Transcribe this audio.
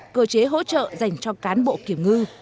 cơ chế hỗ trợ dành cho cán bộ kiểm ngư